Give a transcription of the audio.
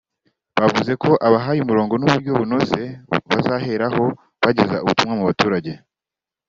bavuze ko abahaye umurongo n’uburyo bunoze bazaheraho bageza ubutumwa mu baturage